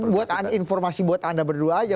buat informasi buat anda berdua aja